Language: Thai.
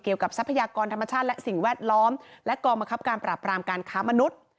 ทรัพยากรธรรมชาติและสิ่งแวดล้อมและกองบังคับการปราบรามการค้ามนุษย์